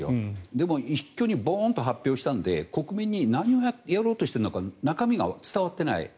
でも、一挙にボーンと発表したので国民に何をやろうとしたのか中身が伝わってない。